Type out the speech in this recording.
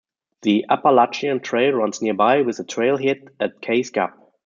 The Appalachian Trail runs nearby, with a trailhead at Keyes Gap.